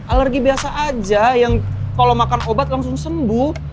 alergi biasa aja yang kalau makan obat langsung sembuh